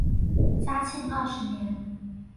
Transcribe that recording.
嘉庆二十年。